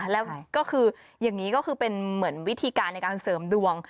แล้วก็คืออย่างนี้ก็คือเป็นเหมือนวิธีการในการเสริมดวง